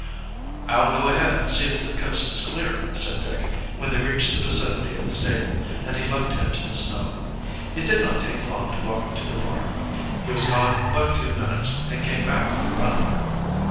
"I'll go ahead and see if the coast is clear," said Dick, when they reached the vicinity of the stable, and he leaped into the snow. It did not take long to walk to the barn. He was gone but a few minutes, and came back on a run.